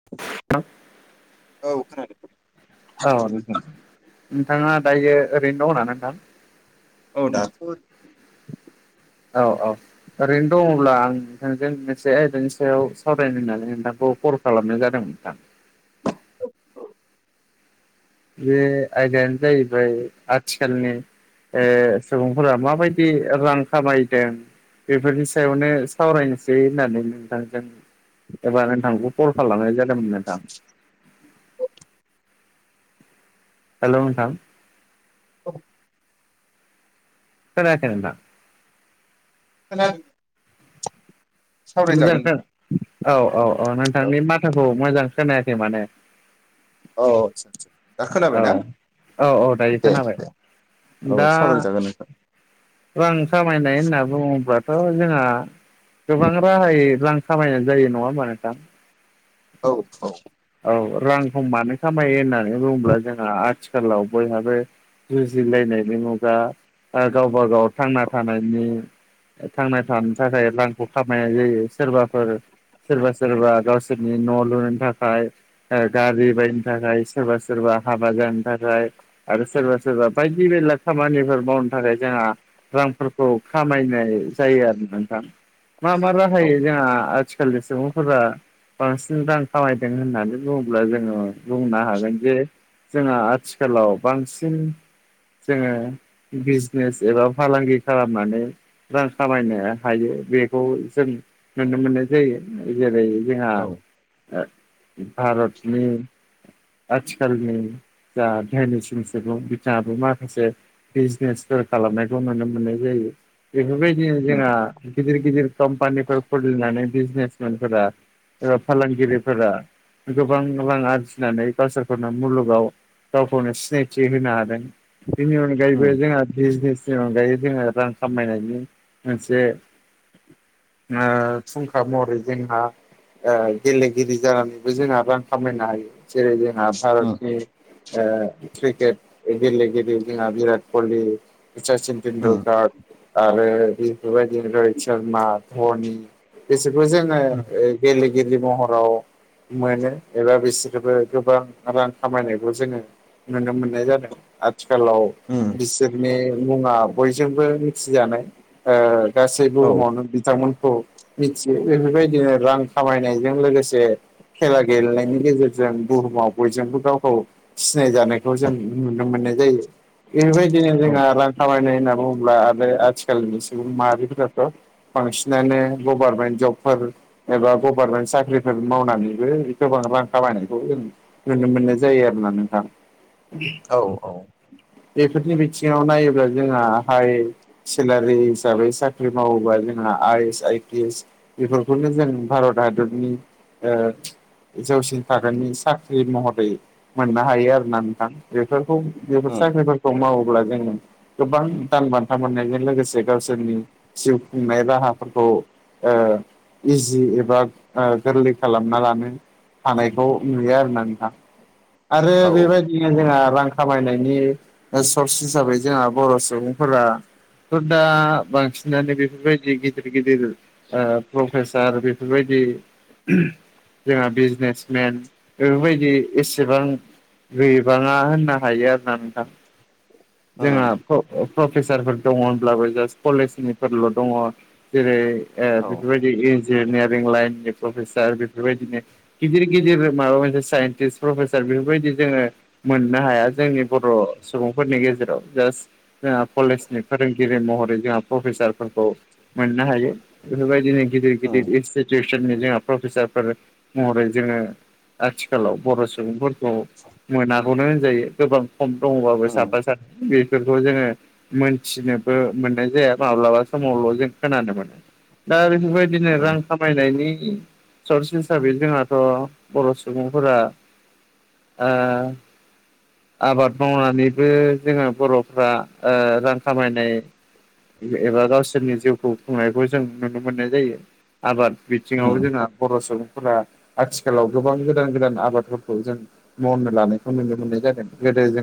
[unintelligible] औ खोनादों। औ नोंथां नोंथाङा दायो ओरैनो दङना नोंथां? औ दाथ' औ औ ओरैनो दङब्ला आं नोंथांजों मोनसे आयदानि सायाव सावरायनो होननानै नोंथांखौ कल खालामनाय जादोंमोन नोंथां। बे आयदायानो जाहैबाय आथिखालनि ओ सुबुंफोरा माबायदि रां खामायदों बेफोरनि सायावनो सावरायनोसै होननानै नोंथांजों एबा नोंथांखौ कल खालामनाय जादोंमोन नोंथां। हेलौ नोंथां औ खोनायाखै नोंथां? खोन्दों। मोजां खोना औ औ औ नोंथांनि माथोखौ मोजां खोनायाखै माने औ दा औ खोनाबाय ना? औ औ दायो दे खोनाबाय दे औ दा सावराय जागोन नोंथां। रां खामायनाय होनना बुङोब्लाथ' जोंहा गोबां राहायै रां खामायनाय जायो। नङा होमबा नोथां? औ औ औ रांखौ मानो खामायो होननानै बुङोब्ला जोंहा आथिखालाव बयहाबो जुजिलायनायनि मुगा ओ गावबा गाव थांना थानायनि थांना थानो थाखाय रांखौ खामायनाय जायो। सोरबाफोर सोरबा सोरबा गावसोरनि न' लुनो थाखाय ओ गारि बायनो थाखाय सोरबा सोरबा हाबा जानो थाखाय आरो सोरबा सोरबा बायदि-बेला खामानिफोर मावनो थाखाय जोंहा रांफोरखौ खामायनाय जायो आरो नोंथां। मा मा औ राहायै जोंहा आथिखालनि सुबुंफोरा बांसिन रां खामायदों होननानै बुङोब्ला जोङो बुंनो हागोन जे जोंहा आथिखालाव बांसिन जोङो बिजनेस एबा फालांगि खालामनानै रां खामायनो हायो। बे खौ जों नुनो मोननाय जायो । जेरै- जोंहा औ ओ भारतनि आथिखालनि जा धोनिसिन सुबुं बिथाङाबो माखासे बिजनेसफोर खालामनायखौ नुनो मोननाय जायो। बेफोरबायदिनो जोंहा गिदिर गिदिर कम्पानिफोर खुलिनानै बिजनेसमेनफोरा एबा फालांगिरिफोरा गोबां रां आरजिनानै गावसारखौनो मुलुगाव गावखौनो सिनायथि होनो हादों। बेनि अनगायैबो उम जोंहा बिजनेसनि अनगायै जोङो रां खामायनायनि मोनसे ओ फुंखा महरै जोंहा ओ गेलेगिरि जानानैबो जोंहा रां खामायनो हायो। जेरै- जोंहा उम भारतनि ओ क्रिकेट गेलेगिरि जोंहा बिराट कहलि, सचिन उम तटेन्डुलकार आरो बेफोरबायदिनो रहित शर्मा, धनि बिसोरबो जोङो ओ गेलेगिरिे महराव मोनो एबा बिसोरबो गोबां रां खामायनायखौ जोङो नुनो मोननाय जादों। आथिखालाव उम बिसोरनि मुङा बजोंबो मिथि जानाय ओ गा सै औ बुहुमावनो बिथांमोनखौ मिथियो । बेफोरबायदिनो रां खामायनायजों लोगोसे खेला गेलेनायनि गेजेरजों बुहुमाव बयजोंबो गाव गाव सिनाय जानायखौ जों नुनो मोननाय जायो। बेबायदिनो जोंहा रां खामायनाय होनना बुङोब्ला आरो आथिखालनि सुबुं माहारिफोर बांसिनानो गभारनमेन्ट जबफोर एबा गभारनमेन्ट साख्रिफोर मावनानैबो गोबां रां खामायनायखौ जों नुनो मोननाय जायो आरोना नोंथां औ औ बेफोरनि बिथिङाव नायोब्ला जोंहा हाइ सेलारि हिसाबै साख्रि साख्रि मावोबा जोंहा I S I P S बेफोरखौनो जों भारत हादरनि ओ जौसिन थागोननि साख्रि महरै मोननो हायो आरोना नोंथां बेफोरखौ बेफोर उम साख्रि खौ मावोब्ला जोङो गोबां दान बान्था मोननायजों लोगोसे गावसोरनि जिउ खुंनाय राहाफोरखौ इजि एबा गोरलै खालामना लानो हानायखौ नुयो आरोना नोंहा आरो औ बेबायदि नो जोंहा रां खामायनायनि सर्स हिसाबै जोंहा बर' सुबुंफोरा दा बांसि नानै बेफोरबायदि गिदिर गिदिर प्रफेसार बेफोरबायदि जोंहा बिजनेसमेन बेफोरबायदि एसेबां गोबाङा होननो हायो आरो ना नोंथां जोंहा उम प्रफेसारफोर दङ होनब्लाबो जास्ट कलेजनिफोरल' दङ जेरै औ बेफोरबायदि इन्जिनियारिं लाइननि प्रफेसार बेफोरबायदिनो गिदिर गिदिर माबा मोनसे साइन्टिस्ट प्रफेसार बेफोरबायदि जोङो मोननो हाया जोंनि बर' सुबुंफोरनि गेजेराव जास्ट जोंहा कलेजनि फोरोंगिरि महरै जोंहा प्रफेसार फोरखौ मोननो हायो बेफोरबायदिनो गिदिर उम गिदिर इनस्टिटिउसननि जोंहा प्रफेसारफोर महरै जोङो आथिखालाव बर' सुबुंफोरखौ मोनागौनो होनजायो गोबां खम दङबाबो उम साफा साफा बेफोरखौ जोङो मोनथिनोबो मोननाय जाया माब्लाबा समावल' जों खोनानो मोनो दा बेफोरबायदिनो उम रां खामायनायनि सर्स हिसाबै जोंहाथ' बर' सुबुंफोरा ओ आबाद मावनानैबो जोङो बर'फ्रा रां खामायनाय एबा गावसोरनि जिउखौ खुंनायखौ जों नुनो मोननाय जायो आबाद उम बिथिङाव जोंहा बर' सुबुंफोरा आथिखालाव गोबां गोदान गोदान आबादफोरखौ जों मावनो लानायखौ नुनो मोननाय ज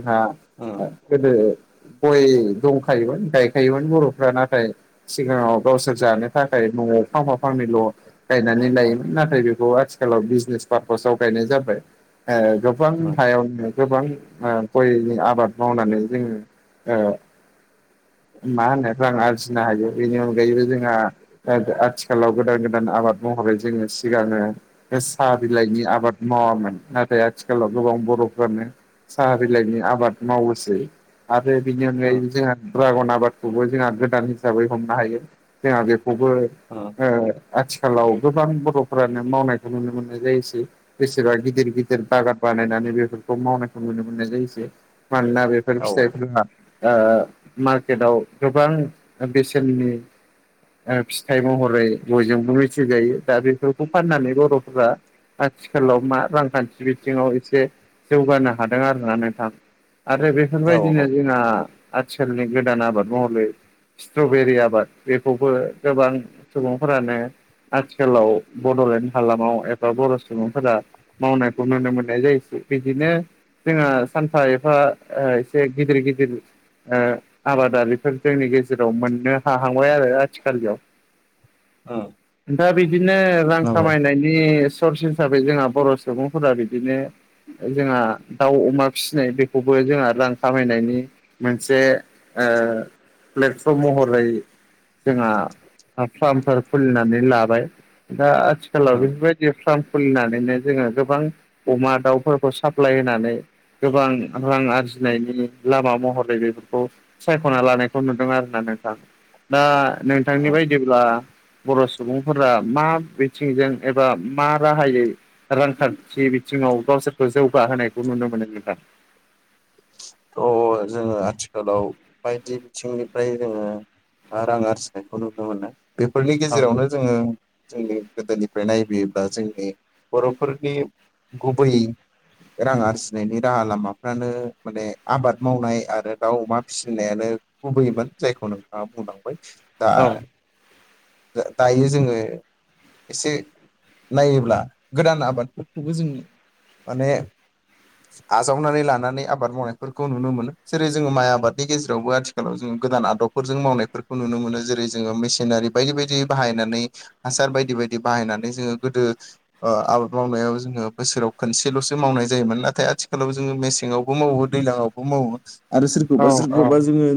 उम जादों गोदो जोंहा गोदो गय दंखायोमोन गायखायोमोन बर'फ्रा नाथाय सिगाङाव गावसोर जानो थाखाय न'आव फांफा फांनैल' गायनानै लायोमोन नाथाय बेखौ आथिखालाव बिजनेस पार्पासाव गायनाय जाबाय ए गोबां उम [unintelligible] गोबां गयनि आबाद मावनानै जोङो मा होननायफ्रा आं आरजिनो हायो बेनि अनगायैबो जोंहा आथिखालाव गोदान गोदान आबाद महरै जोङो सिगाङो बे साहा बिलाइनि आबाद मावामोन नाथाय आथिखालाव गोबां बर'फ्रानो साहा बिलाइनि आबाद मावोसै आरो बिनि अनगायै उम जोंहा ड्रागन आबादखौबो जोंहा गोदान हिसाबै हमनो हायो जोंहा बेखौबो औ ओ आथिखालाव गोबां बर'फोरानो मावनायखौ नुनो मोननाय जायोसै जसेबा गि गिदिर गिदिर बागान बानायनानै बेफोरखौ मावनायखौ नुनो मोननाय जायोसै मानोना बे फोर औ फिथाइफोरा ओ मार्केटाव गोबां बेसेननि ओ फिथाइ महरै गयजोंबो मिथिजायो दा बेफोरखौ फाननानै बर'फोरा आथिखालाव मा रांखान्थि बिथिङाव एसे जौगानो हादों आरोना नोंथां आरो औ बेफोरबायदिनो जोंना आथिखालनि गोदान आबाद महलै स्ट्रबेरि आबाद बेखौबो गोबां सुबुंफोरानो आथिखालाव बड'लेण्ड हालामाव एबा बर' सुबुंफोरा मावनायखौ नुनो मोननाय जायोसै बिदिनो जोंहा सानफा एफा एसे गिदिर गिदिर ओ आबादारिफोर जोंनि गेजेर जेराव मोननो हांबाय आरो आथिखालयाव उम दा बिदिनो रां नंगौ खामायनायनि सर्स हिसाबै जोंहा बर' सुबुंफोरा बिदिनो जोंहा दाउ अमा फिसिनाय बेखौबो जोंहा रां खामायनायनि मोनसे ओ प्लेटफर्म महरै जोंहा फार्मफोर खुलिनानै लाबाय दा आथिखालाव उम बेफोरबायदि फार्म खुलिनानैनो जोङो गोबां अमा दाउफोरखौ साप्लाय होनानै गोबां रां आरजिनायनि लामा महरै बेफोरखौ सायख'ना लानाय खौ नुदों आरोना नोंथां दा नोंथांनि उम बायदिब्ला बर' सुबुंफोरा मा बिथिंजों एबा मा राहायै रांखान्थि बिथिङाव गावसोरखौ जौगाहोनायखौ नुनो मोनो नोंथां अ जोङो आथिखालाव बायदि बिथिंनिफ्राय जोङो रां आरजिनायखौ नुनो मोनो बेफोरनि औ गेजेरावनो जोङो जोंनि गोदोनिफ्राय नायबोयोब्ला जोंनि बर'फोरनि गुबै रां आरजिनायनि राहा लामाफ्रानो माने आबाद मावनाय आरो दाउ अमा फिसिनायानो गुबैयैमोन जायखौ नोंथाङा बुंलांबाय दा औ दायो जोङो एसे नायोब्ला गोदान आबादफोरखौबो जों माने आजावनानै लानानै आबाद मावनायफोरखौ नुनो मोनो जेरै जोङो माइ आबादनि गेजेरावबो आथिखालाव जों गोदान आदबफोरजों मावनायफोरखौ नुनो मोनो जेरै जोङो मेसिनारि बायदि बायदि बाहायनानै हासार बायदि -बायदि बाहायनानै जोङो गोदो ओ आबाद मावनायाव जोङो बोसोराव खनसेल'सो मावनाय जायोमोन नाथाय आथिखालाव जोङो मेसेङाव बो मावो दैलांआवबो मावो आरो औ सोरखौबा सोरखौबा जोङो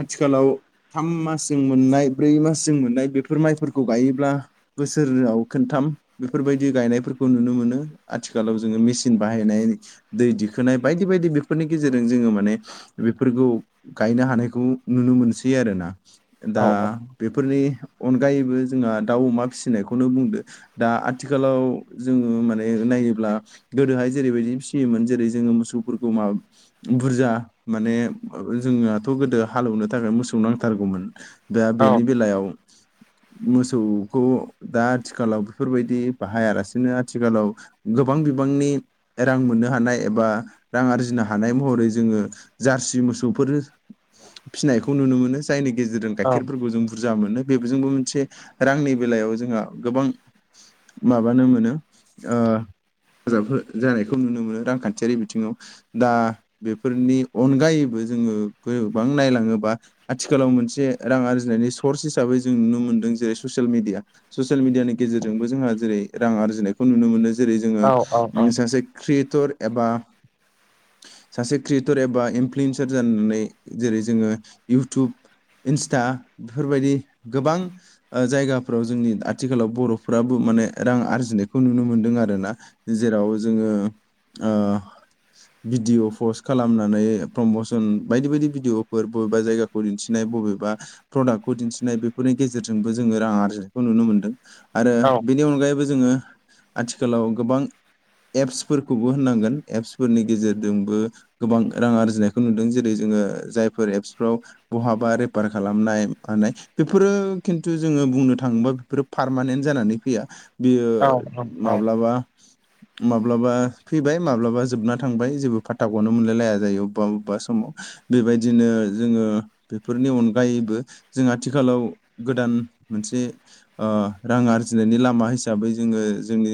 आथिखालाव थाम मासजों मोननाय ब्रै मासजों मोननाय बेफोर माइफोरखौ गायोब्ला बोसोराव खोनथाम बेफोरबायदि गायनायफोरखौ नुनो मोनो आथिखालाव जोङो मेचिन बाहायनाय दै दिखोनाय बायदि- बायदि बेफोरनि गेजेरजों जोङो माने बेफोरखौ गायनो हानायखौ नुनो मोनसै आरोना औ दा बेफोरनि अनगायैबो जोंहा दाउ अमा फिसिनायखौनो बुंदो दा आथिखालाव जोङो माने नायोब्ला गोदोहाय जेरैबायदि फिसियोमोन जेरै जोङो मोसौफोरखौ माबा बुरजा माने जोंनाथ' गोदो हालौवनो थाखाय मोसौ नांथारगौमोन दा औ बेनि बेलायाव मोसौखौ दा आथिखालाव बेफोरबायदि बाहायालासिनो आथिखालाव गोबां बिबांनि रां मोननो हानाय एबा रां आरजिनो हानाय थानाय महरै जोङो जारसि मोसौफोर फिसिनायखौ नुनो मोनो जायनि गेजेरजों औ गाइखेरफोरखौ जों बुरजा मोनो बेजोंबो मोनसे रांनि बेलायाव जोंहा गोबां माबानो मोनो ओ हेफाजाब हो जानायखौ नुनो मोनो रांखान्थियारि बिथिङाव दा बेफोरनि अनगायैबो जोङो गोबां नायलाङोबा आथिखालाव मोनसे रां आरजिनायनि सर्स हिसाबै जों नुनो मोनदों जेरै ससियेल मिडिया ससियेल मिडियानि गेजेरजोंबो जोंहा जेरै रां आरजिनायखौ नुनो मोनो जेरै जोङो औ औ सासे क्रियेटर एबा सासे क्रियेटर एबा इनफ्लुयेन्सार जानानै जेरै जोङो इउटुब इन्स्टा बेफोरबायदि गोबां जायगाफ्राव जोंनि आथिखालाव बर'फ्राबो माने रां आरजिनायखौ नुनो मोनदों आरो ना जेराव जोङो ओ भिडिअ पस्ट खालामनानै प्रमसन बायदि बायदि भिडिअफोर बबेबा जायगाखौ दिन्थिनाय बबेबा प्रडाक्टखौ दिन्थिनाय बेफोरनि गेजेरजोंबो जोङो रां आरजिनायखौ नुनो मोन्दों आरो बेनि अनगायैबो जोङो आथिखालाव गोबां एप्सफोरखौबो होननांगोन एप्सफोरनि गेजेर जोंबो गोबां रां आरजिनायखौ नुदों जेरै जोङो जायफोर एप्सफ्राव बहाबा रेफार खालामनाय माने बेफोरो खिन्थु जोङो बुंनो थाङोबा बेफोरो पारमानेन्ट जानानै फैया बियो औ औ औ माब्लाबा माब्लाबा फैबाय माब्लाबा जोबना थांबाय जेबो फाथ्ाखौनो मोनलायलाया जायो अबेबा बबेबा समाव बेबायदिनो जोङो बेफोरनि अनगायैबो जों आथिखालाव गोदान मोनसे रां आरजिनायनि लामा हिसाबै जोङो जोंनि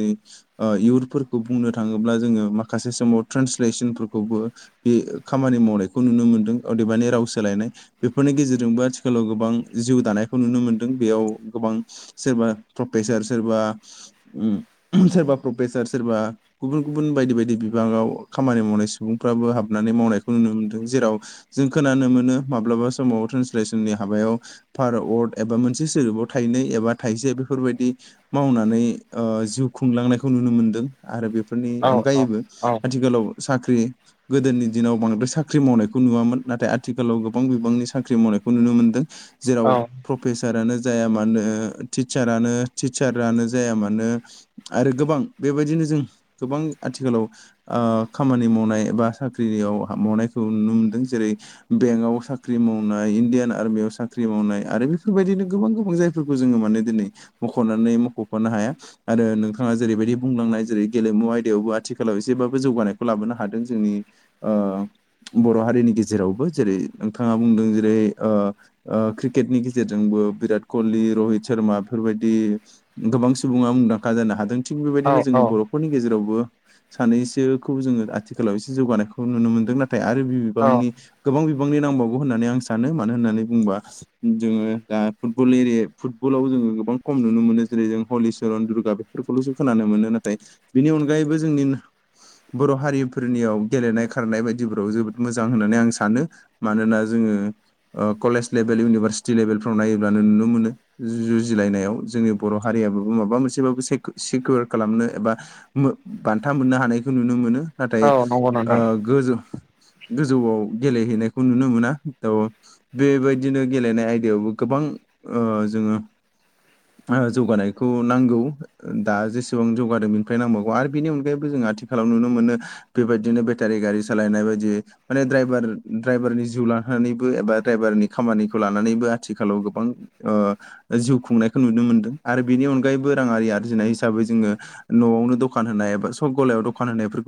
इयरफोरखौ बुंनो थाङोब्ला जोङो माखासे समाव ट्रेन्सलेसनफोरखौबो बे खामानि मावनायखौ नुनो मोनदों अदेबानि राव सोलायनाय बेफोरनि गेजेरजोंबो आथिखालाव गोबां जिउ दानायखौ नुनो मोनदों बेयाव गोबां सोरबा प्रफेसार सोरबा सोरबा प्रफेसार सोरबा गुबुन गुबुन बायदि बायदि बिबाङाव खामानि मावनाय सुबुंफ्राबो हाबनानै मावनायखौ नुनो मोन्दों जेराव जों खोनानो मोनो माब्लाबा समाव ट्रेन्सलेसननि हाबायाव फारवारड एबा मोनसे सोदोबाव थाइनै एबा थाइसे बेफोरबायदि मावनानै जिउ खुंलांनायखौ नुनो मोनदों आरो बेफोरनि औ अनगायैबो औ गोलाव साख्रि गोदोनि दिनाव बांद्राय साख्रि मावनायखौ नुवामोन नाथाय आथिखालाव गोबां बिबांनि साख्रि मावनायखौ नुनो मोन्दों जेराव प्रफेसारानो जाया मानो टिचारानो टिचारानो जाया मानो आरो गोबां बेबायदिनो जों गोबां आथिखालाव खामानि मावनाय बा साख्रियाव मावनायखौ नुनो मोनदों जेरै बेंकआव साख्रि मावनाय इण्डियान आर्मियाव साख्रि मावनाय आरो बेफोरबायदिनो गोबां गोबां जायफोर फोरफोरखौ जोङो माने दिनै मख'नानै मख'फानो हाया आरो नोंथाङा जेरैबायदि बुंलांनाय जेरै गेलेमु आयदायावबो आथिखालाव जेब्लाबो जौगानायखौ लाबोनो हादों जोंनि बर' हारिनि गेजेरावबो जेरै नोंथाङा बुंदों जेरै क्रिकेटनि गेजेरजोंबो बिराट कहलि रहित शर्मा बेफोरबायदि गोबां सुबुङा मुंदांखा जानो हादों थिग औ बेबायदिनो जोंनि बर'फोरनि गेजेरावबो सानैसोखौ जोङो आथिखालाव एसे जौगानायखौ नुनो मोनदों नाथाय आरो बि औ बिबांनि गोबां बिबांनि नांबावगौ होननानै आं सानो मानो होननानै बुंोबा जोङो दा फुटबल एरि फुटबलाव जोङो गोबां खम नुनो मोनो जेरै जों हलिचरन दुर्गा फोरखौल'सो खोनानो मोनो नाथाय बिनि अनगायैबो जोंनि बर' हारिफोरनियाव गेलेनाय खारनाय बायदिफोराव जोबोद मोजां होननानै आं सानो मानोना जोङो ओ कलेज लेभेल इउनिभारसिटि लेभेलफ्राव नायोब्लानो नुनो मोनो जुजिलायनायाव जोंनि बर' हारियाबाबो माबा मोनसेबाबो सिकिर खालामनो एबा बान्था मोननो हानायखौ नुनो मोनो नाथाय औ नंगौ नोंथां गोजौ गोजौआव गेलेहैनायखौ नुनो मोना था बेबायदिनो गेलेनाय आयदायावबो गोबां जोङो जौगानायखौ नांगौ दा जेसेबां जौगादों बेनिफ्राय नांबावगौ आरो बेनिनगायै बो जों आथिखालाव नुनो मोनो बेबायदिनो बेटारि गारि सालायनाय बायदि माने द्राइभार द्राइभारनि जिउ लानानैबो एबा द्राइभारनि खामानिखौ लानानैबो आथिखालाव गोबां जिउ खुंनायखौ नुनो मोनदों आरो बेनि अनगायैबो राङारि आरजिनाय हिसाबै जोङो न'आवनो दखान होनाय एबा सब गलायाव दखान होनायफोरखौ